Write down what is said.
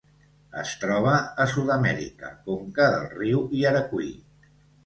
Es troba a Sud-amèrica: conca del riu Yaracuy.